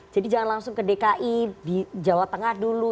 jadi jangan langsung ke dki di jawa tengah dulu